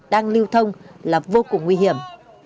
đang lưu thông là vô cùng nguy hiểm